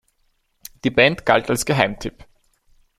Die Band galt als Geheimtipp.